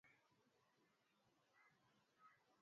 zinaweza kuwasaidia wasikilizaji kukunbuka taarifa maalum